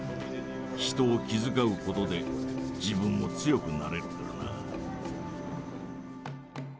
人を気遣うことで自分も強くなれるからな。